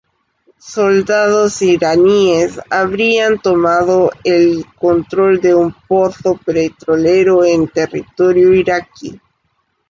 Soldados iraníes habrían tomado el control de un pozo petrolero en territorio iraquí.